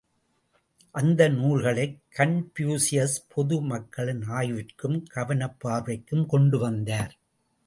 அந்த நூல்களைக் கன்பூசியஸ் பொது மக்களின் ஆய்விற்கும் கவனப் பார்வைக்கும் கொண்டு வந்தார்.